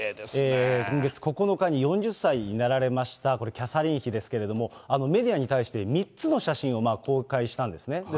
今月９日に４０歳になられました、キャサリン妃ですけれども、メディアに対して３つの写真を公開したんですね。